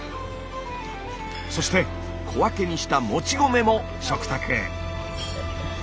そして小分けにしたもち米も食卓へ。